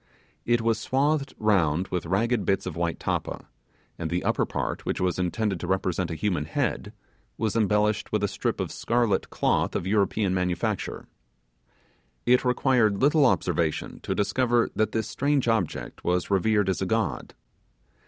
It was swathed round with ragged bits of white tappa, and the upper part, which was intended to represent a human head, was embellished with a strip of scarlet cloth of European manufacture. It required little observation to discover that this strange object was revered as a god.